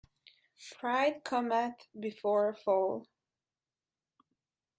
Pride cometh before a fall.